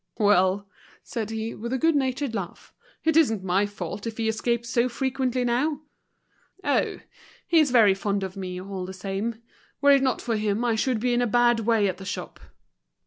"Well," said he, with a good natured laugh, "it isn't my fault if he escapes so frequently now. Oh! he's very fond of me, all the same. Were it not for him I should be in a bad way at the shop."